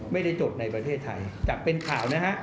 ไม่ได้จดในประเทศไทยจากเป็นข่าวนะฮะ